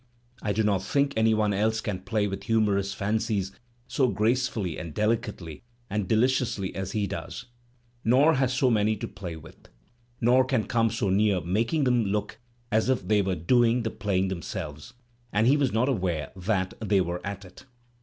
I do not think any one else can play with humorous fancies so gracefully and delicately and delidously as he does, nor has so many to play with, nor can come so near making them look as if they were doing the playing themselves and he was not aware that they were at it.